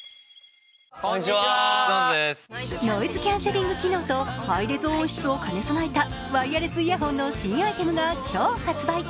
ノイズキャンセリング機能とハイレゾ音質を兼ね備えたワイヤレスイヤホンの新アイテムが今日発売。